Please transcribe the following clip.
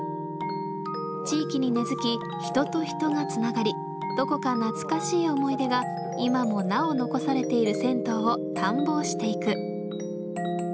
地域に根づき人と人がつながりどこか懐かしい思い出が今もなお残されている銭湯を探訪していく。